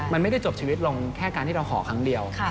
มันไม่ได้จบชีวิตลงแค่การที่เราขอครั้งเดียว